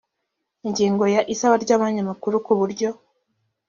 ingingo ya isaba ry amakuru ku buryo